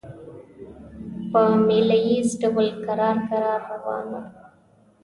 په مېله ییز ډول کرار کرار روان وو.